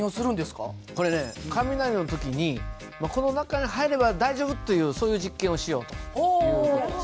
これね雷の時にこの中に入れば大丈夫というそういう実験をしようという事です。